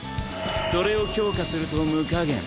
それを強化すると無下限